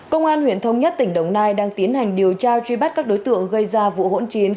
công an huyện thống nhất tỉnh đồng nai đang tiến hành điều tra truy bắt các đối tượng gây ra vụ hỗn chiến